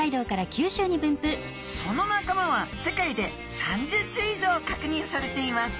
その仲間は世界で３０種以上かくにんされています。